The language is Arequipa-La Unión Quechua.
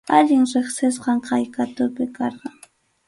Allin riqsisqam kay qhatupi karqan.